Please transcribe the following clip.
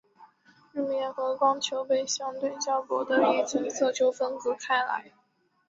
日冕和光球被相对较薄的一层色球分隔开来。